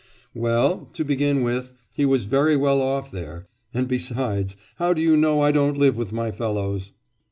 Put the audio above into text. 'Well, to begin with, he was very well off there, and besides, how do you know I don't live with my fellows?